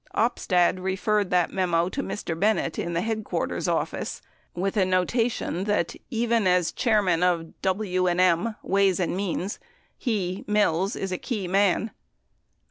Opstad referred the memo to Mr. Bennett in the headquarters office with a notation that "... even as Chairman of W and M (Ways and Means), he's (Mills) a key man."